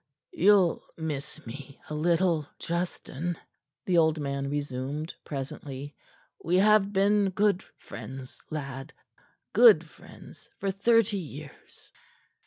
"You'll miss me a little, Justin," the old man resumed presently. "We have been good friends, lad good friends for thirty years."